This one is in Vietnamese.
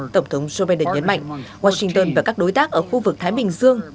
tổng thống joe biden nhấn mạnh washington và các đối tác ở khu vực thái bình dương